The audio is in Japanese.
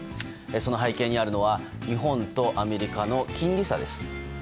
その背景にあるのは日本とアメリカの金利差です。